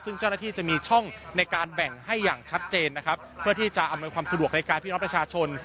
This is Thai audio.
ซึ่งเจ้าหน้าที่จะมีช่องในการแบ่งให้อย่างชัดเจนนะครับเพื่อที่จะอำนวยความสะดวกในการพี่น้องประชาชน